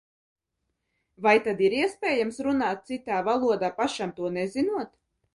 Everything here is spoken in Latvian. Vai tad ir iespējams runāt citā valodā, pašam to nezinot?